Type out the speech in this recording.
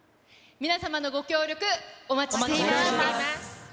皆様のご協力、お待ちしています。